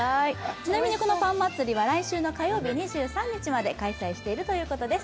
ちなみにこのパン祭りは来週の火曜日２３日まで開催しているということです。